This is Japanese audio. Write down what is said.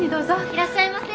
いらっしゃいませ。